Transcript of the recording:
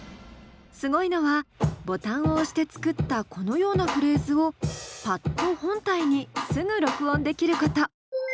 すごいのはボタンを押して作ったこのようなフレーズをパッド本体にすぐ録音できること。